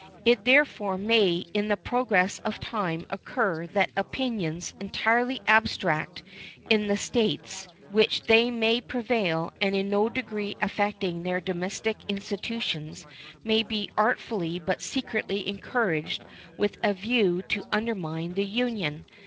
It therefore may in the progress of time occur that opinions entirely abstract in the States which they may prevail and in no degree affecting their domestic institutions may be artfully but secretly encouraged with a view to undermine the Union.